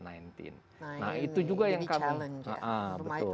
nah ini jadi challenge ya